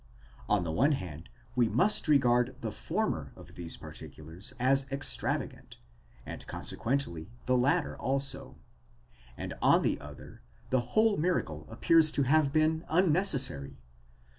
On the one hand, we must regard the former of these particulars as extravagant, and consequently the latter also; and on the other, the whole miracle appears to have been unnecessary.